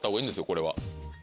これは。